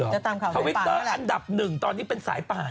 ทวิตเตอร์อันดับหนึ่งตอนนี้เป็นสายป่าน